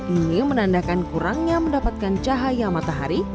ini menandakan kurangnya mendapatkan cahaya matahari